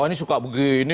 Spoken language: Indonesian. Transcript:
wah ini suka begini nih